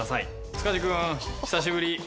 塚地君久しぶり！